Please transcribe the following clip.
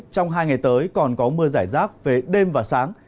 trong hai ngày tới còn có mưa giải rác về đêm và sáng